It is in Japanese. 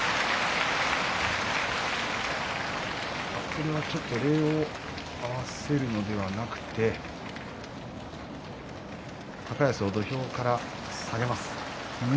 これはちょっと礼を合わせるのではなく高安を土俵から下げます。